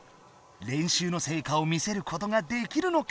練習の成果を見せることができるのか？